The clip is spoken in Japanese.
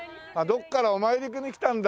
どこからかお参りに来たんだ。